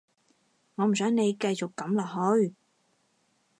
我唔想你繼續噉落去